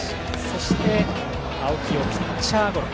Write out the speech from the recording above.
そして青木をピッチャーゴロ。